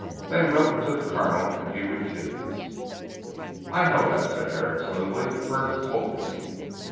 They wrote to the Colonel and he refused. "I know that," said Herrick smoothly, "Frith told me."